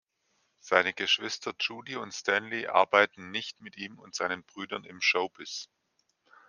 Seine Geschwister Judy und Stanley arbeiten nicht mit ihm und seinen Brüdern im Showbiz.